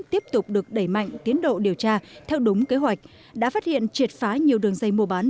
tiếp tục được đẩy mạnh tiến độ điều tra theo đúng kế hoạch đã phát hiện triệt phá nhiều đường dây mua bán